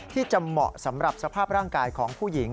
ที่จะเหมาะสำหรับสภาพร่างกายของผู้หญิง